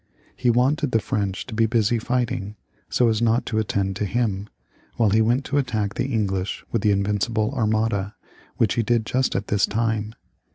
He wanted the French to be busy fighting, so as not to attend to him, while he went to attack the English with his Invincible Armada, which he did just at this time.